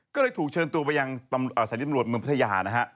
ก็เลยถูกเชิญตัวไปยังสถานีตำรวจเมืองพัทยานะฮะ